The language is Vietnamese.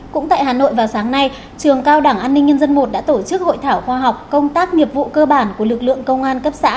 cũng tại hà nội vào sáng nay trường cao đảng an ninh nhân dân i đã tổ chức hội thảo khoa học công tác nghiệp vụ cơ bản của lực lượng công an cấp xã